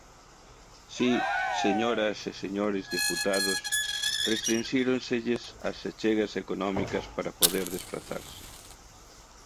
Si, señoras e señores deputados, restrinxíronselles as achegas económicas para poder desprazarse.